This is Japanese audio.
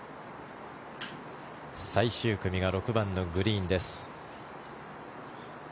最終組が６番のグリーンです。